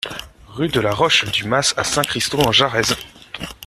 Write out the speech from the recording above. Rue de la Roche du Mas à Saint-Christo-en-Jarez